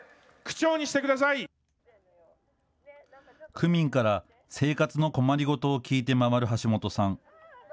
区民から生活の困りごとを聞いて回る橋本さん。